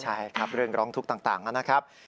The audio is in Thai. ใช่ครับเรื่องร้องทุกข์ต่างนะครับ